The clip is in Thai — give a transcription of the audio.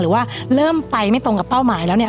หรือว่าเริ่มไปไม่ตรงกับเป้าหมายแล้วเนี่ย